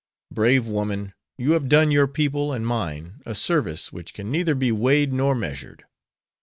Brave woman! you have done your people and mine a service which can neither be weighed nor measured.